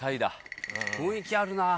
雰囲気あるな。